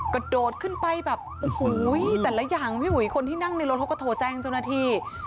กระโดดขึ้นไปแบบแต่ละอย่างคนที่นั่งในรถเขาก็โทรแจ้งจนนาที